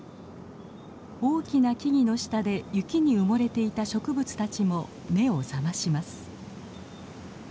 大きな木々の下で雪に埋もれていた植物たちも目を覚まします。